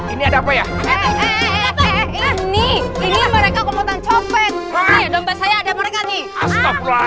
ini ada apa ya ini ini mereka kompeten copet dompet saya ada mereka nih astagfirullah